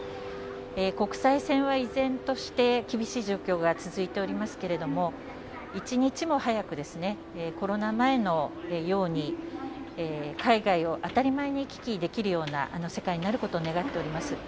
国際線は依然として厳しい状況が続いておりますけれども、一日も早く、コロナ前のように、海外を当たり前に行き来できるような世界になることを願っております。